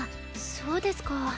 そうですか。